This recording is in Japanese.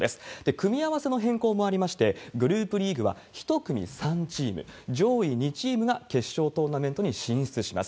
組み合わせの変更もありまして、グループリーグは１組３チーム、上位２チームが決勝トーナメントに進出します。